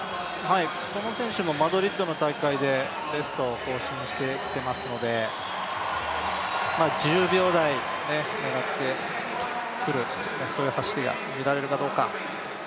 この選手もマドリードの大会でベストを更新してきていますので１０秒台にのってくる走りが見られるかどうか。